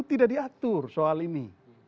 tidak diatur soal ini